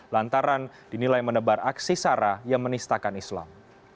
lantaran dinilai menebar aksi sara yang menistakan islam